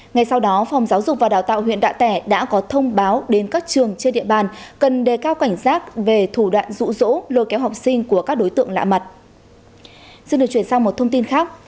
ngay sau đó phòng giáo dục và đào tạo huyện đạ tẻ đã có thông báo đến các trường trên địa bàn cần đề cao cảnh giác về thủ đoạn rụ rỗ lôi kéo học sinh của các đối tượng lạ mặt